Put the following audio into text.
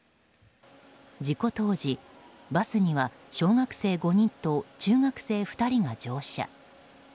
事故当時、バスには小学生５人と中学生２人が乗車。